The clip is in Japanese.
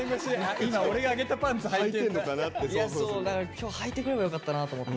今日はいてくればよかったなと思って。